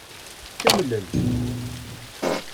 Tkemmlem.